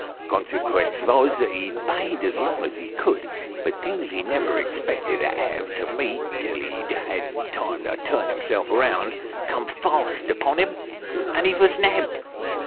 Consequence vos, that he paid as long as he could ; but things he never expected to have to meet till he'd had time to turn himself round, come fast upon him, and he vos nabbed.